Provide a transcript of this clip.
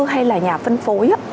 hay là nhà phân phối